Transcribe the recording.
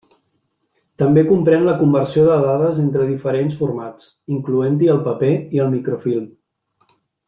També comprèn la conversió de dades entre diferents formats, incloent-hi el paper i el microfilm.